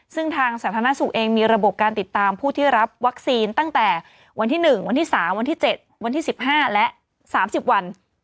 ซึ่งทางสาธารณสุขเองมีระบบการติดตามผู้ที่รับวัคซีนตั้งแต่วันที่๑วันที่๓วันที่๗วันที่๑๕และ๓๐วัน